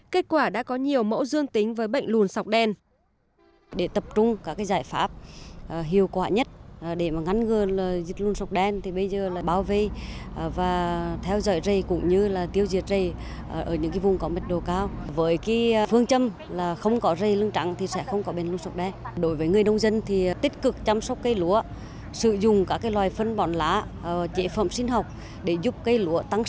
kết quả đã có nhiều mẫu dương tính với bệnh lùn sọc đen